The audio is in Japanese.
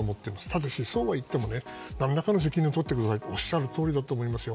ただしそうはいっても何らかの責任を取ってくださいとおっしゃるとおりだと思います。